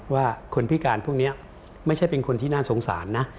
ว่าคนพิการพวกนี้ไม่ใช่เป็นคนที่น่าสงสารนะ